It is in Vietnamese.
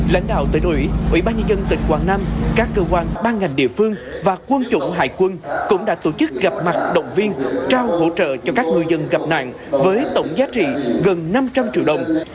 lãnh đạo tỉnh ủy ủy ban nhân dân tỉnh quảng nam các cơ quan ban ngành địa phương và quân chủng hải quân cũng đã tổ chức gặp mặt động viên trao hỗ trợ cho các ngư dân gặp nạn với tổng giá trị gần năm trăm linh triệu đồng